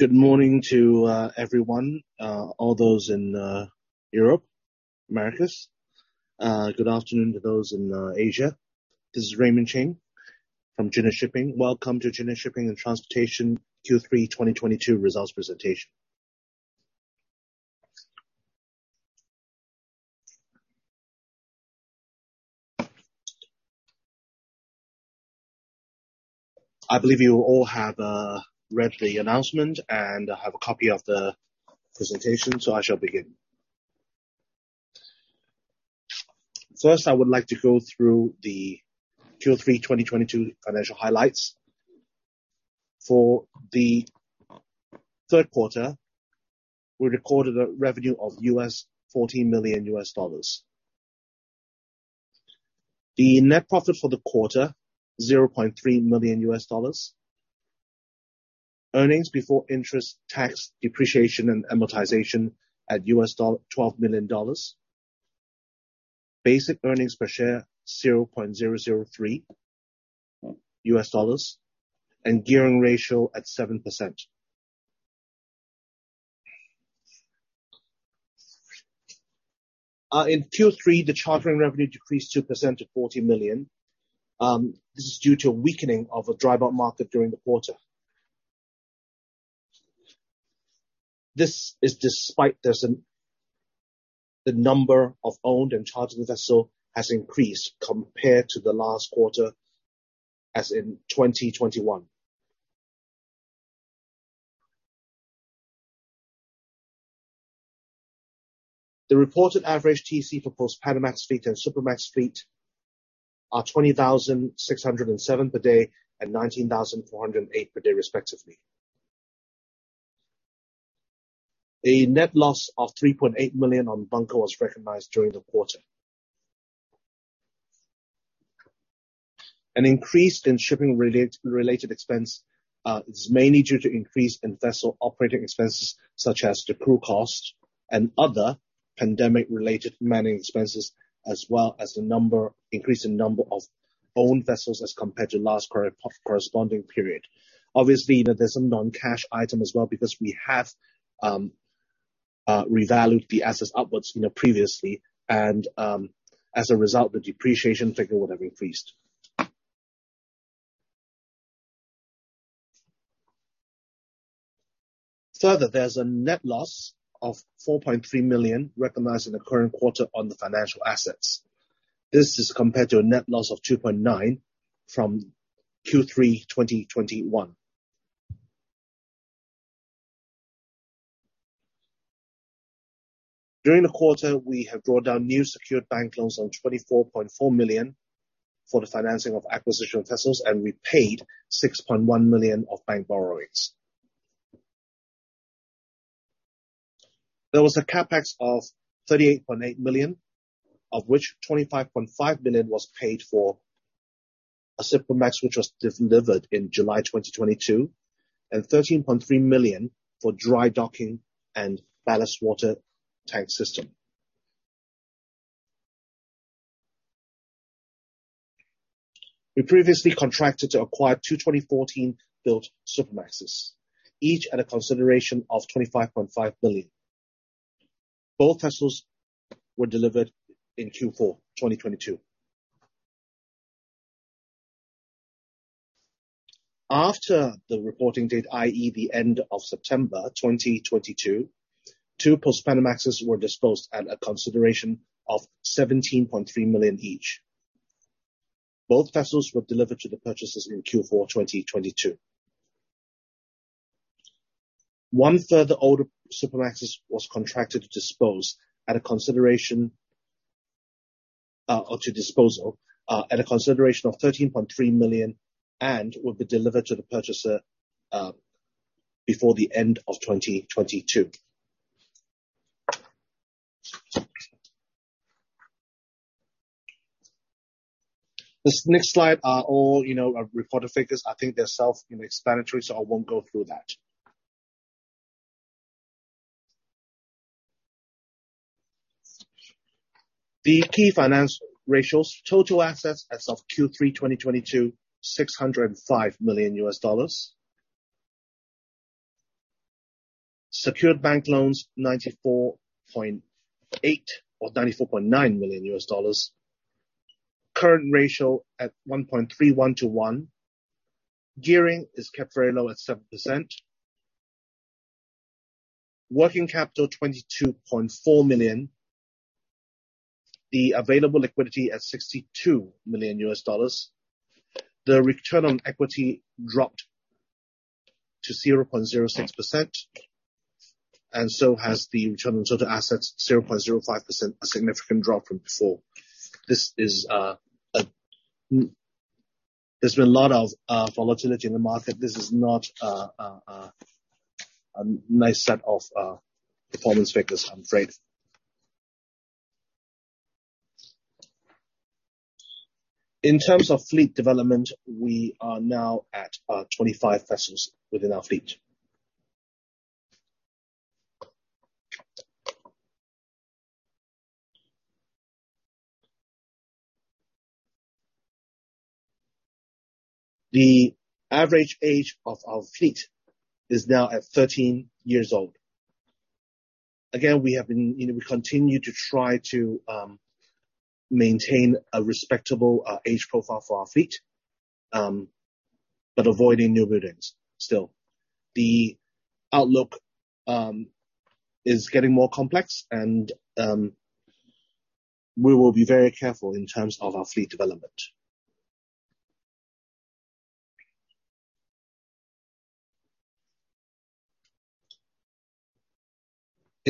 Good morning to everyone. All those in Europe, Americas. Good afternoon to those in Asia. This is Raymond Ching from Jinhui Shipping and Transportation. Welcome to Jinhui Shipping and Transportation Q3 2022 results presentation. I believe you all have read the announcement and have a copy of the presentation, I shall begin. First, I would like to go through the Q3 2022 financial highlights. For the third quarter, we recorded a revenue of $14 million. The net profit for the quarter, $0.3 million. EBITDA at $12 million. Basic earnings per share, $0.003. Gearing ratio at 7%. In Q3, the chartering revenue decreased 2% to $40 million. This is due to a weakening of the dry bulk market during the quarter. This is despite The number of owned and chartered vessels has increased compared to the last quarter, as in 2021. The reported average TC for Post-Panamax fleet and Supramax fleet are $20,607 per day and $19,408 per day, respectively. A net loss of $3.8 million on bunker was recognized during the quarter. An increase in shipping-related expense is mainly due to increase in vessel operating expenses, such as the crew cost and other pandemic-related manning expenses, as well as increase in number of owned vessels as compared to last corresponding period. Obviously, you know, there's some non-cash item as well because we have revalued the assets upwards, you know, previously, and as a result, the depreciation figure would have increased. Further, there's a net loss of $4.3 million recognized in the current quarter on the financial assets. This is compared to a net loss of $2.9 million from Q3 2021. During the quarter, we have drawn down new secured bank loans on $24.4 million for the financing of acquisition vessels, and repaid $6.1 million of bank borrowings. There was a CapEx of $38.8 million, of which $25.5 million was paid for a Supramax which was delivered in July 2022, and $13.3 million for dry docking and ballast water tank system. We previously contracted to acquire two 2014-built Supramaxes, each at a consideration of $25.5 million. Both vessels were delivered in Q4 2022. After the reporting date, i.e. the end of September 2022, two Post-Panamaxes were disposed at a consideration of $17.3 million each. Both vessels were delivered to the purchasers in Q4 2022. One further older Supramax was contracted to dispose at a consideration, or to disposal, at a consideration of $13.3 million and will be delivered to the purchaser before the end of 2022. This next slide are all, you know, reported figures. I think they're self-explanatory, so I won't go through that. The key finance ratios. Total assets as of Q3 2022, $605 million. Secured bank loans, $94.8 million or $94.9 million. Current ratio at 1.31:1. Gearing is kept very low at 7%. Working capital, $22.4 million. The available liquidity at $62 million. The return on equity dropped to 0.06%, and so has the return on total assets, 0.05%, a significant drop from before. This is, there's been a lot of volatility in the market. This is not a nice set of performance figures, I'm afraid. In terms of fleet development, we are now at 25 vessels within our fleet. The average age of our fleet is now at 13 years old. Again, we have been, you know, we continue to try to maintain a respectable age profile for our fleet, but avoiding new buildings still. The outlook is getting more complex and we will be very careful in terms of our fleet development.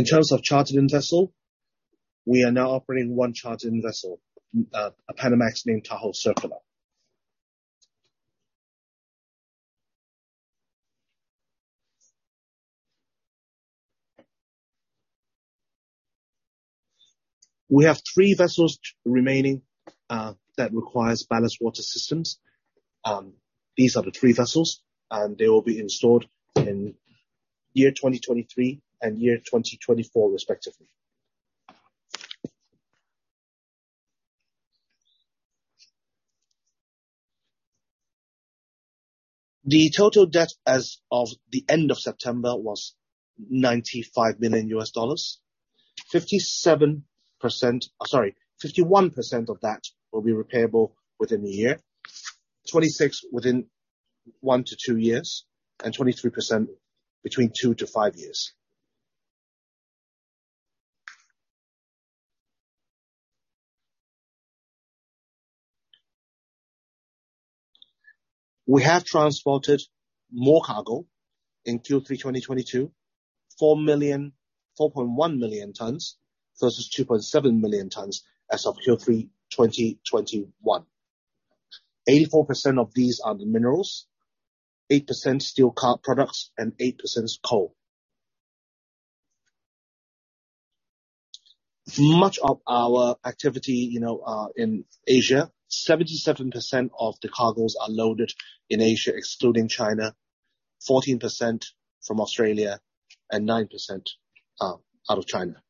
In terms of chartered-in vessel, we are now operating one chartered-in vessel, a Panamax named TAHO CIRCULAR. We have three vessels remaining that requires ballast water systems. These are the three vessels, and they will be installed in year 2023 and year 2024, respectively. The total debt as of the end of September was $95 million. 51% of that will be repayable within a year, 26% within one to two years, and 23% between two to five years. We have transported more cargo in Q3 2022, 4.1 million tons versus 2.7 million tons as of Q3 2021. 84% of these are the minerals, 8% steel carb products, and 8% is coal. Much of our activity, you know, in Asia, 77% of the cargos are loaded in Asia, excluding China, 14% from Australia, and 9% out of China.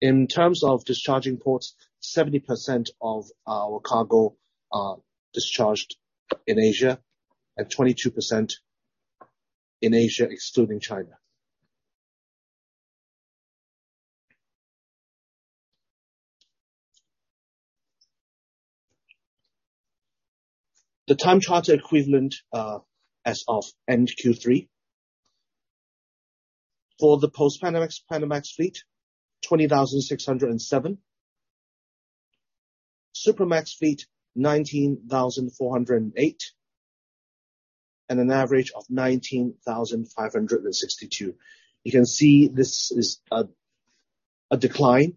In terms of discharging ports, 70% of our cargo are discharged in Asia and 22% in Asia, excluding China. The time charter equivalent as of end Q3. For the Post-Panamax, Panamax fleet, $20,607. Supramax fleet, $19,408. An average of $19,562. You can see this is a decline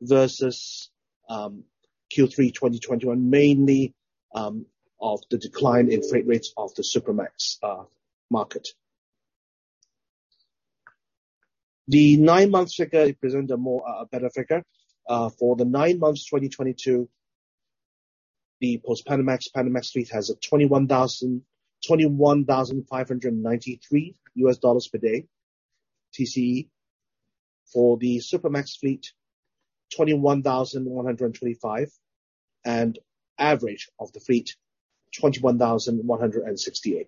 versus Q3 2021, mainly of the decline in freight rates of the Supramax market. The nine months figure represent a more a better figure. For the nine months, 2022, the Post-Panamax, Panamax fleet has a $21,593 per day TCE. For the Supramax fleet, $21,125. Average of the fleet, $21,168.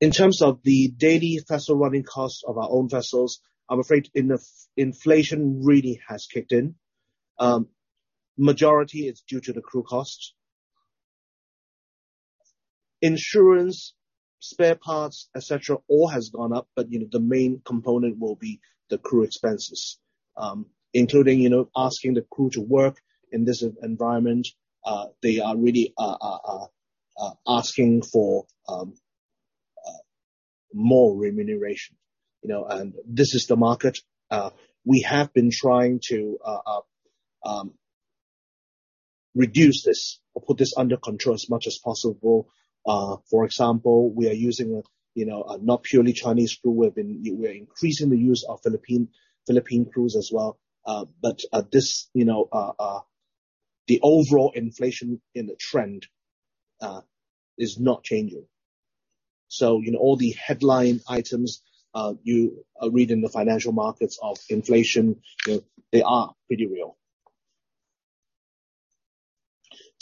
In terms of the daily vessel running costs of our own vessels, I'm afraid inflation really has kicked in. Majority is due to the crew costs. Insurance, spare parts, et cetera, all has gone up, but, you know, the main component will be the crew expenses. Including, you know, asking the crew to work in this environment, they are really asking for more remuneration, you know, this is the market. We have been trying to reduce this or put this under control as much as possible. For example, we are using, you know, a not purely Chinese crew. We've been we're increasing the use of Philippine crews as well. This, you know, the overall inflation in the trend is not changing. You know, all the headline items you read in the financial markets of inflation, you know, they are pretty real.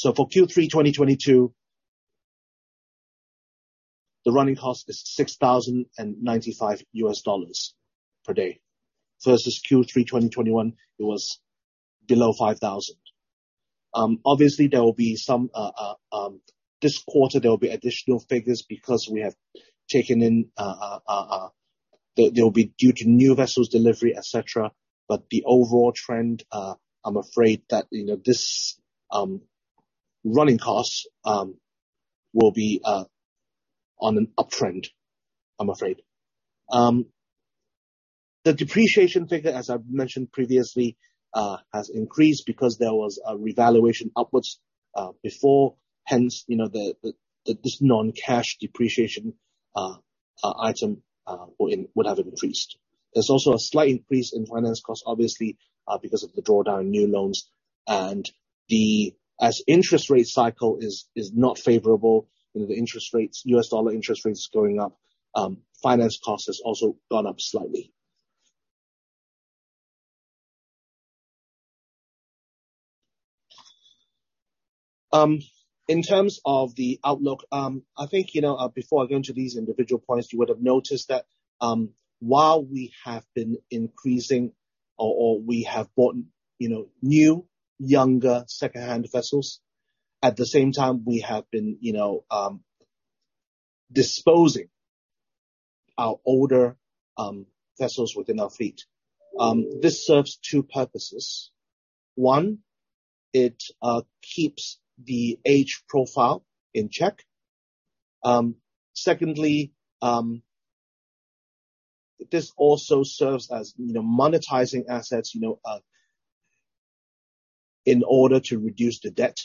For Q3 2022, the running cost is $6,095 per day, versus Q3 2021, it was below $5,000. Obviously, there will be some. This quarter, there will be additional figures because we have taken in. There will be due to new vessels delivery, et cetera. The overall trend, I'm afraid that, you know, this running costs will be on an uptrend, I'm afraid. The depreciation figure, as I've mentioned previously, has increased because there was a revaluation upwards before. Hence, this non-cash depreciation item would have increased. There's also a slight increase in finance cost, obviously, because of the drawdown in new loans. As interest rate cycle is not favorable, you know, the interest rates, U.S. dollar interest rates going up, finance cost has also gone up slightly. In terms of the outlook, I think, you know, before I go into these individual points, you would have noticed that, while we have been increasing or we have bought, you know, new, younger second-hand vessels, at the same time we have been, you know, disposing our older, vessels within our fleet. This serves two purposes. One, it keeps the age profile in check. Secondly, this also serves as, you know, monetizing assets, you know, in order to reduce the debt.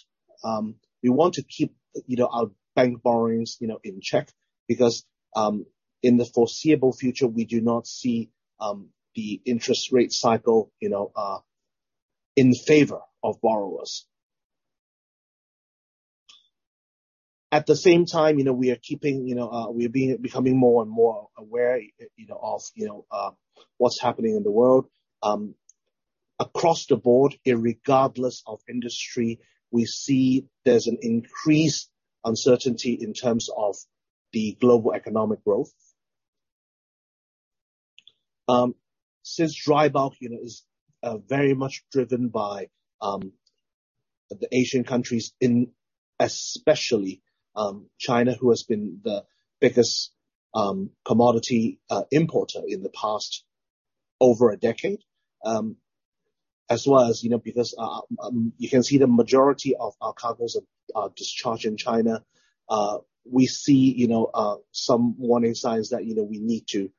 We want to keep, you know, our bank borrowings, you know, in check because, in the foreseeable future we do not see, the interest rate cycle, you know, in favor of borrowers. At the same time, you know, we are keeping, you know, we are becoming more and more aware, you know, of, you know, what's happening in the world. Across the board irregardless of industry we see there's an increased uncertainty in terms of the global economic growth. Since dry bulk, you know, is very much driven by the Asian countries in especially China who has been the biggest commodity importer in the past over a decade. As well as, you know, because you can see the majority of our cargoes are discharged in China. We see, you know, some warning signs that, you know, we need to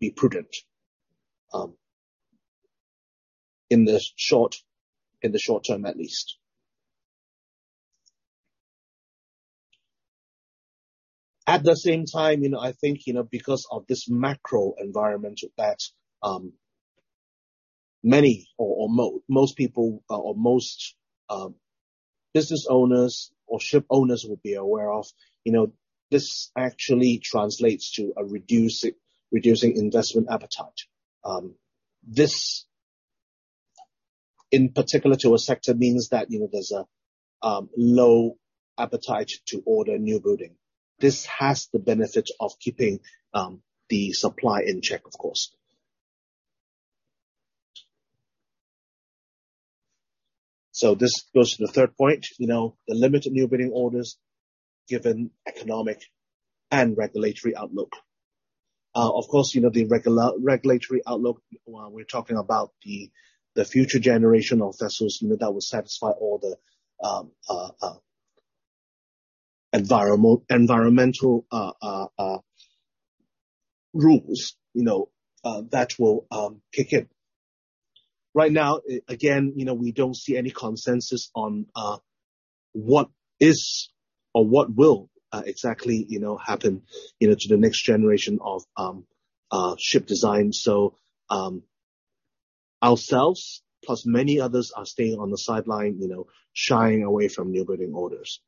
be prudent in the short term at least. At the same time, you know, I think, you know, because of this macro environment that many or most people or most business owners or ship owners will be aware of, you know, this actually translates to a reducing investment appetite. This in particular to a sector means that, you know, there's a low appetite to order new building. This has the benefit of keeping the supply in check, of course. This goes to the third point, you know, the limited new building orders given economic and regulatory outlook. Of course, you know, the regulatory outlook, we're talking about the future generation of vessels, you know, that will satisfy all the environmental rules, you know, that will kick in. Right now again, you know, we don't see any consensus on what is or what will exactly, you know, happen, you know, to the next generation of ship design. Ourselves plus many others are staying on the sideline, you know, shying away from new building orders.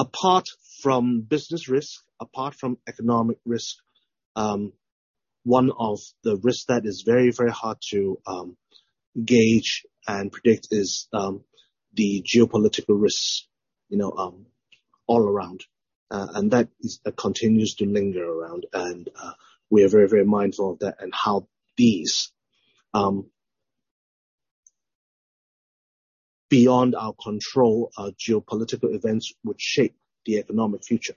Apart from business risk, apart from economic risk, one of the risks that is very, very hard to gauge and predict is the geopolitical risks, you know, all around. That is continues to linger around and we are very, very mindful of that and how these beyond our control geopolitical events would shape the economic future.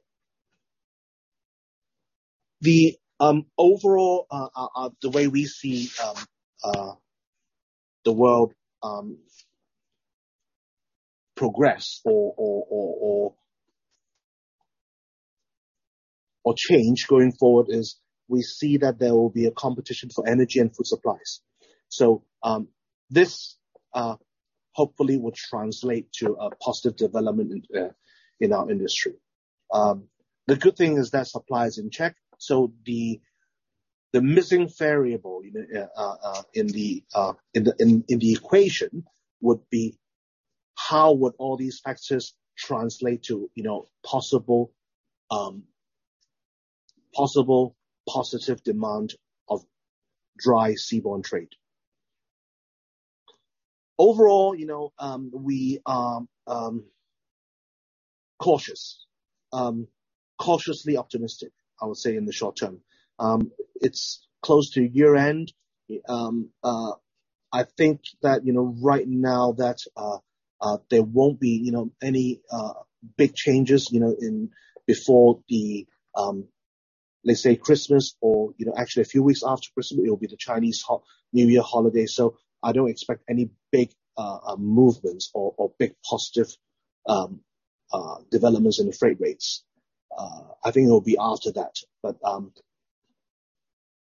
The overall way we see the world progress or change going forward is we see that there will be a competition for energy and food supplies. This hopefully will translate to a positive development in our industry. The good thing is that supply is in check, so the missing variable, you know, in the equation would be how would all these factors translate to, you know, possible possible positive demand of dry seaborne trade. Overall, you know, we are cautious. Cautiously optimistic I would say in the short term. It's close to year-end. I think that, you know, right now that there won't be, you know, any big changes, you know, in, before the let's say Christmas or, you know, actually a few weeks after Christmas it'll be the Chinese New Year holiday. I don't expect any big movements or big positive developments in the freight rates. I think it will be after that.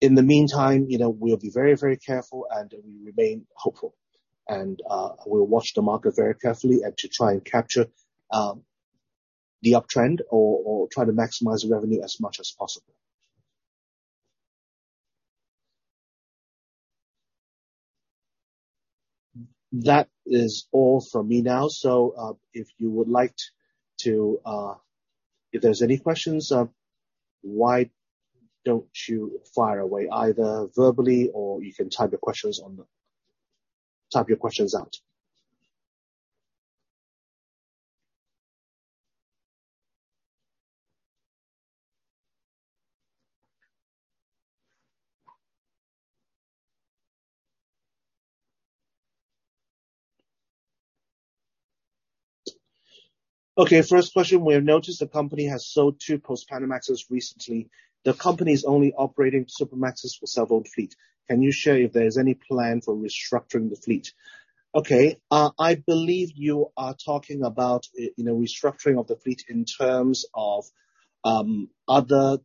In the meantime, you know, we'll be very, very careful, and we remain hopeful. We'll watch the market very carefully and to try and capture the uptrend or try to maximize the revenue as much as possible. That is all from me now. If you would like to... If there's any questions, why don't you fire away either verbally or you can type your questions out. Okay, first question. We have noticed the company has sold two Post-Panamax recently. The company's only operating Supramaxes for several fleet. Can you share if there's any plan for restructuring the fleet? Okay, I believe you are talking about, you know, restructuring of the fleet in terms of other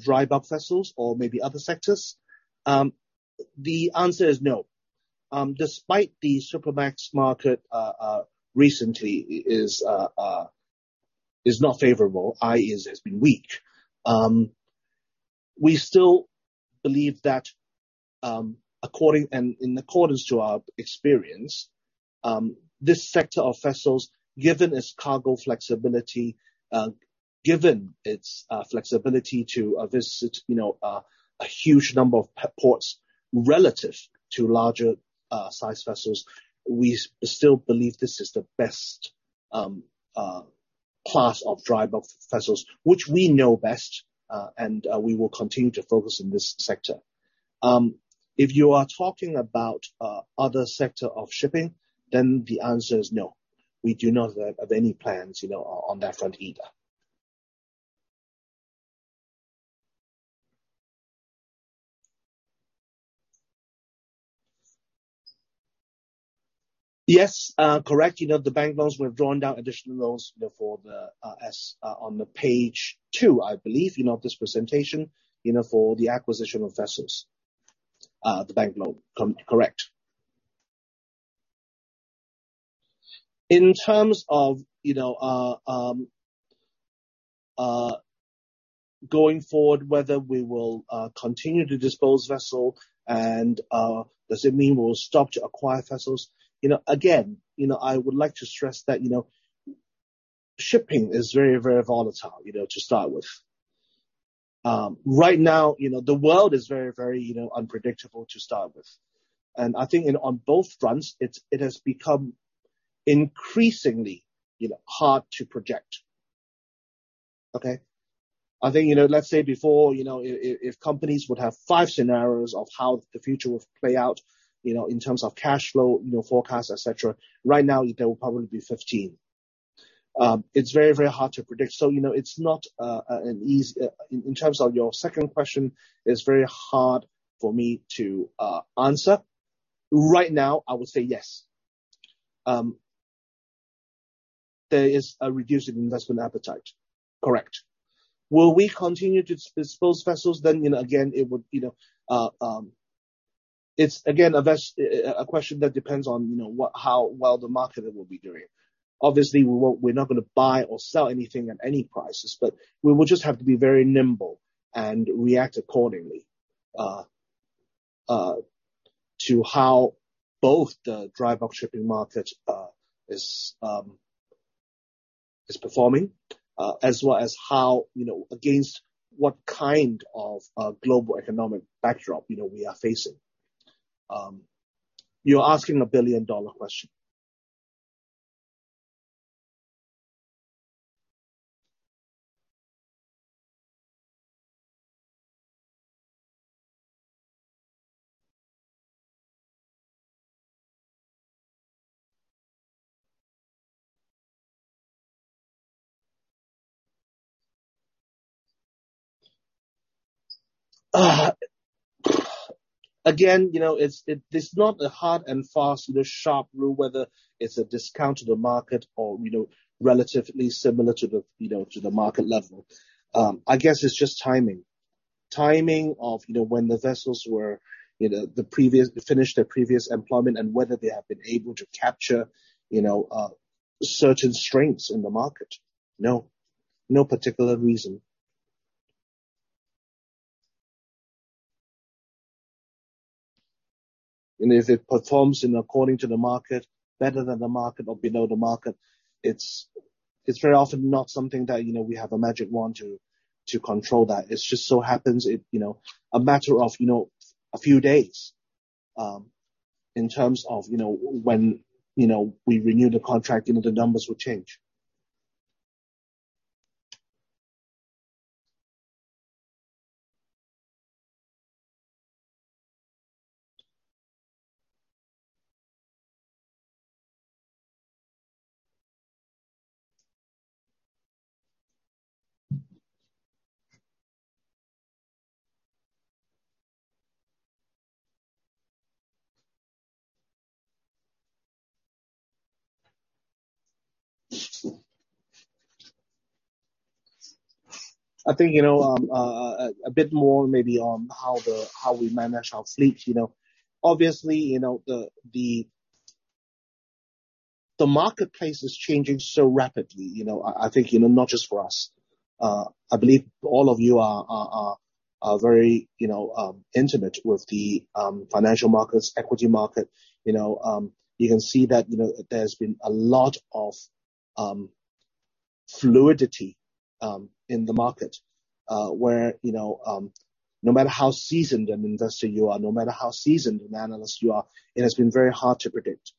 dry bulk vessels or maybe other sectors. The answer is no. Despite the Supramax market recently is not favorable, i.e. has been weak, we still believe that, according and in accordance to our experience, this sector of vessels, given its cargo flexibility, given its flexibility to visit, you know, a huge number of ports relative to larger size vessels, we still believe this is the best class of dry bulk vessels which we know best. We will continue to focus in this sector. If you are talking about other sector of shipping, then the answer is no. We do not have any plans, you know, on that front either. Yes, correct. You know, the bank loans, we've drawn down additional loans, you know, for the as on the page two, I believe, you know, of this presentation, you know, for the acquisition of vessels. The bank loan. Correct. In terms of, you know, going forward, whether we will continue to dispose vessel and does it mean we'll stop to acquire vessels? You know, again, you know, I would like to stress that, you know, shipping is very volatile, you know, to start with. Right now, you know, the world is very unpredictable, you know, to start with. I think, you know, on both fronts, it's, it has become increasingly, you know, hard to project. Okay. I think, you know, let's say before, you know, if companies would have five scenarios of how the future would play out, you know, in terms of cash flow, you know, forecast, et cetera. Right now, there will probably be 15. It's very hard to predict. You know, it's not an easy. In terms of your second question, it's very hard for me to answer. Right now, I would say yes. There is a reducing investment appetite. Correct. Will we continue to dispose vessels then? You know, again, it would, you know, it's again, a question that depends on, you know, what, how well the market will be doing. Obviously, we're not gonna buy or sell anything at any prices, but we will just have to be very nimble and react accordingly, to how both the dry bulk shipping market is performing as well as how, you know, against what kind of global economic backdrop, you know, we are facing. You're asking a billion-dollar question. Again, you know, it's, there's not a hard and fast, you know, sharp rule whether it's a discount to the market or, you know, relatively similar to the, you know, to the market level. I guess it's just timing. Timing of, you know, when the vessels were, you know, finished their previous employment and whether they have been able to capture, you know, certain strengths in the market. No, no particular reason. If it performs in according to the market, better than the market or below the market, it's very often not something that, you know, we have a magic wand to control that. It just so happens it, you know, a matter of, you know, a few days, in terms of, you know, when, you know, we renew the contract, you know, the numbers will change. I think, you know, a bit more maybe on how we manage our fleet, you know. Obviously, you know, the marketplace is changing so rapidly, you know. I think, you know, not just for us. I believe all of you are very, you know, intimate with the financial markets, equity market, you know. You can see that, you know, there's been a lot of fluidity in the market, where, you know, no matter how seasoned an investor you are, no matter how seasoned an analyst you are, it has been very hard to predict.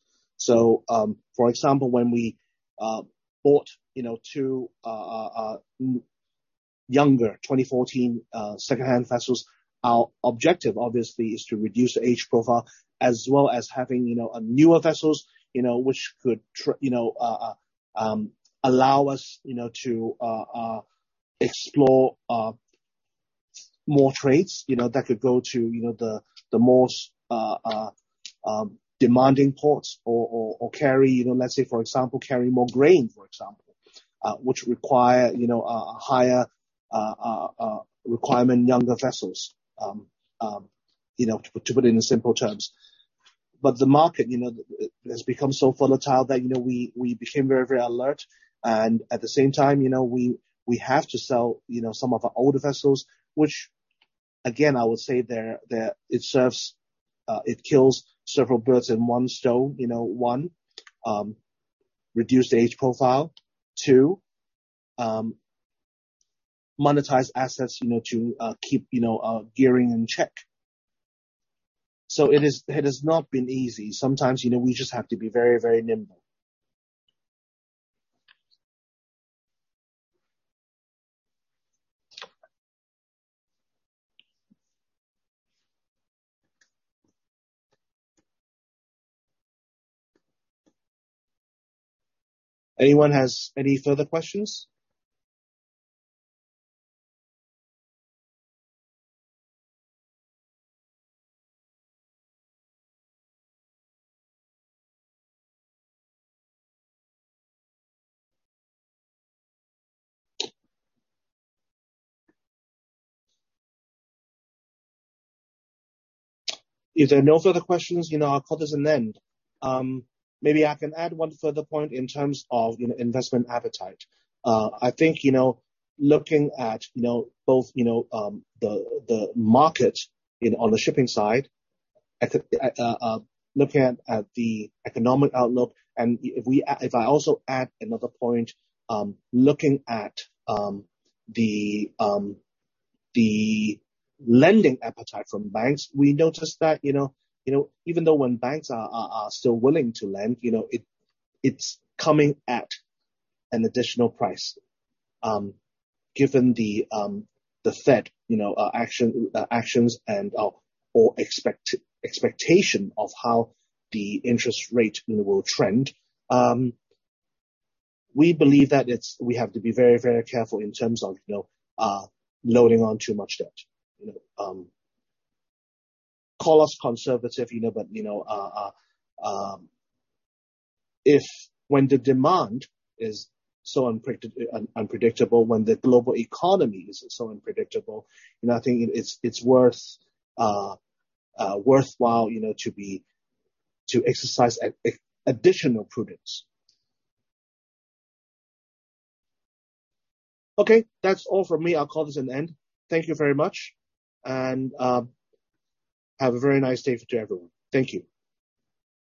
For example, when we bought, you know, two younger 2014 second-hand vessels, our objective obviously is to reduce the age profile as well as having, you know, newer vessels, you know, which could allow us, you know, to explore more trades, you know, that could go to, you know, the most demanding ports or carry, you know, let's say for example, carry more grain, for example. Which require, you know, a higher requirement, younger vessels, you know, to put it in simple terms. The market, you know, has become so volatile that, you know, we became very, very alert. At the same time, you know, we have to sell, you know, some of our older vessels, which again, I would say it serves, it kills several birds in one stone. You know, one, reduce the age profile. Two, monetize assets, you know, to keep, you know, gearing in check. It has not been easy. Sometimes, you know, we just have to be very, very nimble. Anyone has any further questions? If there are no further questions, you know, I'll call this an end. Maybe I can add one further point in terms of, you know, investment appetite. I think, you know, looking at, you know, both, you know, the market in, on the shipping side, looking at the economic outlook, and if we... I also add another point, looking at the lending appetite from banks. We noticed that, you know, even though when banks are still willing to lend, it's coming at an additional price, given the Fed actions and expectation of how the interest rate will trend. We believe that we have to be very, very careful in terms of loading on too much debt. Call us conservative, when the demand is so unpredictable, when the global economy is so unpredictable, I think it's worthwhile to exercise additional prudence. Okay, that's all from me. I'll call this an end. Thank you very much and, have a very nice day to everyone. Thank you.